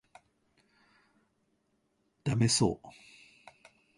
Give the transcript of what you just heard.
ダメそう